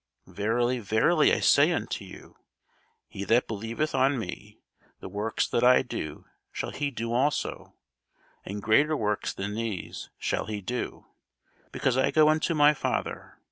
Verily, verily, I say unto you, He that believeth on me, the works that I do shall he do also; and greater works than these shall he do; because I go unto my Father.